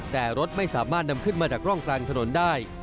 แต่รถไม่สามารถนำขึ้นมาจากร่องกลางถนนได้